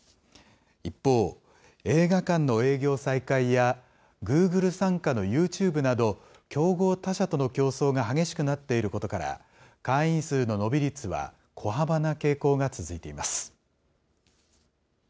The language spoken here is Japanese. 一方、映画館の営業再開やグーグル傘下のユーチューブなど、競合他社との競争が激しくなっていることから、会員数の伸び率は小幅な傾向が続いています。